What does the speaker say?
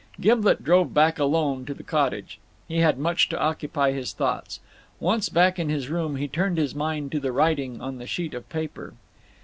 Gimblet drove back alone to the cottage. He had much to occupy his thoughts. Once back in his room he turned his mind to the writing on the sheet of paper.